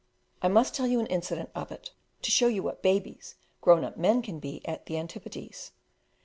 I must tell you an incident of it, to show you what babies grown up men can be at the Antipodes.